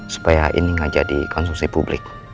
supaya ini tidak jadi konsumsi publik